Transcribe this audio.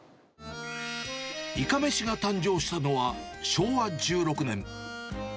いかめしが誕生したのは、昭和１６年。